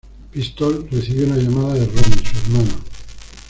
Pistol recibió una llamada de Ronnie, su hermano.